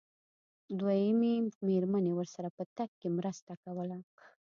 دويمې مېرمنې ورسره په تګ کې مرسته کوله.